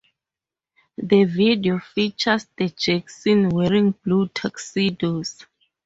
The video features The Jacksons wearing blue tuxedos.